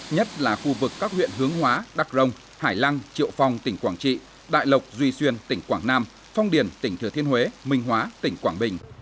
nhất là khu vực các huyện hướng hóa đắc rồng hải lăng triệu phong tỉnh quảng trị đại lộc duy xuyên tỉnh quảng nam phong điền tỉnh thừa thiên huế minh hóa tỉnh quảng bình